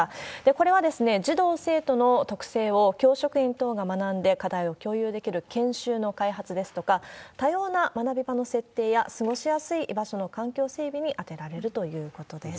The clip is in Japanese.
これは、児童・生徒の特性を教職員等が学んで課題を共有できる研修の開発ですとか、多様な学び場の設定や、過ごしやすい居場所の環境整備に充てられるということです。